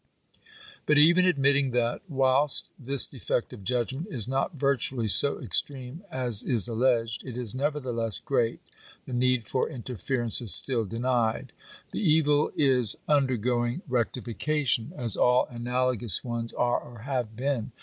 But even admitting that, whilst this defect of judgment is not virtually so extreme as is alleged, it is nevertheless great, the need for interference is still denied. The evil is under going rectification, as all analogous ones are or have been.